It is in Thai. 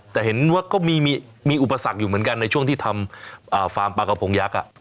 แต่เห็นว่าก็มีอุปสรรคอยู่เหมือนกันในช่วงที่ทำฟาร์มปลากระพงยักษ์